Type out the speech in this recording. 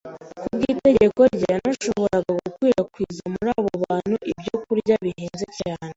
kubwo itegeko rye yanashoboraga gukwirakwiza muri abo bantu ibyokurya bihenze cyane.